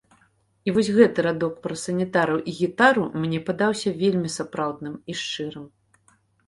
І вось гэты радок пра санітараў і гітару мне падаўся вельмі сапраўдным і шчырым.